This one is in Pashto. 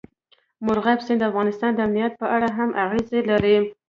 مورغاب سیند د افغانستان د امنیت په اړه هم اغېز لري.